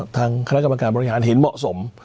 ทางคณะกรรมการบริหารเห็นเหมาะสม